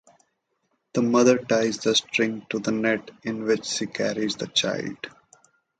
The mother ties the string to the net in which she carries the child.